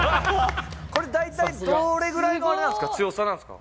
これ大体どれぐらいの強さなんですか？